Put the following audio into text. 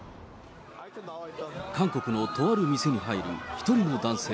韓国のとある店に入る一人の男性。